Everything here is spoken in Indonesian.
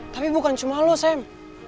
tapi bukan cuma lo sam